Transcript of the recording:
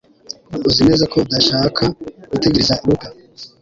Uzi neza ko udashaka gutegereza Luka